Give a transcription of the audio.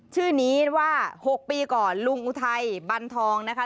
ชื่อนี้ว่า๖ปีก่อนลุงอุทัยบันทองนะคะ